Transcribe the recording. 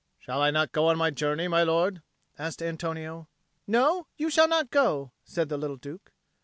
"Shall I not go on my journey, my lord?" asked Antonio. "No, you shall not go," said the little Duke.